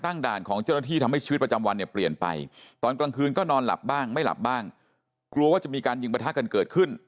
นี่แซคณฑวินก็ไปถามคุณเป้า